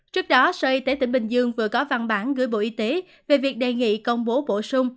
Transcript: trước đó sở y tế tỉnh bình dương vừa có văn bản gửi bộ y tế về việc đề nghị công bố bổ sung